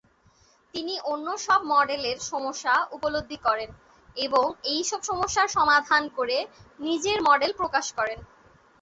তিনি অন্য সব মডেলের সমস্যা উপলব্ধি করেন এবং এই সব সমস্যার সমাধান করে নিজের মডেল প্রকাশ করেন।